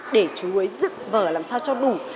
để chú ấy dựng vở làm sao cho đủ